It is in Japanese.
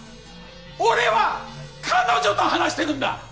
俺は彼女と話してるんだ！